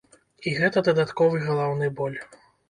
І гэта дадатковы галаўны боль.